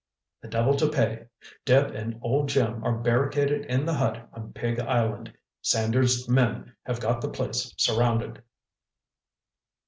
"The devil to pay! Deb and old Jim are barricaded in the hut on Pig Island. Sanders' men have got the place surrounded!"